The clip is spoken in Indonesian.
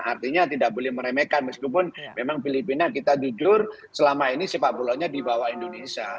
artinya tidak boleh meremehkan meskipun memang filipina kita jujur selama ini sepak bola nya di bawah indonesia